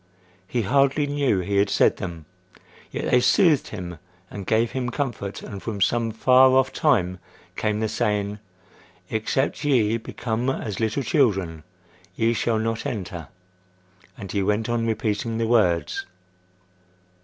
He hardly knew he had said them; yet they soothed him and gave him comfort; and from some far off time came the saying, "Except ye become as little children, ye shall not enter—" and he went on repeating the words.